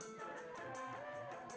nih rahas dia